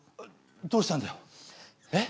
「どうしたんだよ？えっ？」。